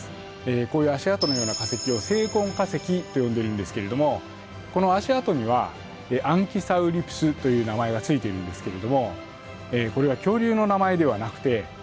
こういう足跡のような化石を「生痕化石」と呼んでいるんですけれどもこの足跡にはアンキサウリプスという名前が付いているんですけれどもこれは恐竜の名前ではなくて足跡